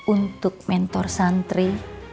untuk mentor santri